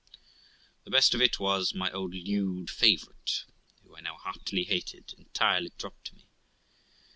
The best of it was, my old lewd favourite, who I now heartily hated, entirely dropped me.